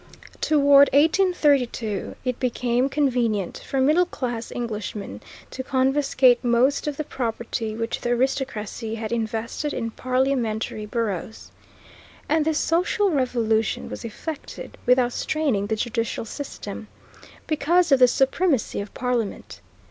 Toward 1832 it became convenient for middle class Englishmen to confiscate most of the property which the aristocracy had invested in parliamentary boroughs, and this social revolution was effected without straining the judicial system, because of the supremacy of Parliament.